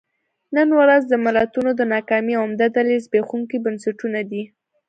نن ورځ د ملتونو د ناکامۍ عمده دلیل زبېښونکي بنسټونه دي.